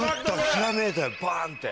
ひらめいたよバンって。